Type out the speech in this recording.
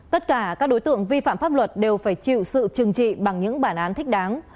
tất cả các đối tượng vi phạm pháp luật đều phải chịu sự trừng trị bằng những bản án thích đáng